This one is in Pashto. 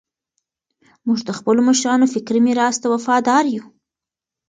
موږ د خپلو مشرانو فکري میراث ته وفادار یو.